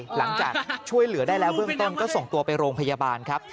หลังจากช่วยเหลือได้แล้วเบื้องต้นก็ส่งตัวไปโรงพยาบาลครับ